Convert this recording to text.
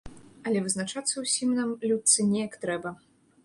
Але вызначацца ўсім нам, людцы, неяк трэба.